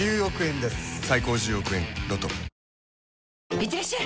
いってらっしゃい！